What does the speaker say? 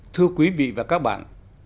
thưa quý vị và các bạn